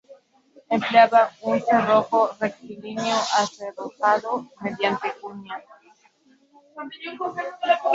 Empleaba un cerrojo rectilíneo acerrojado mediante cuña.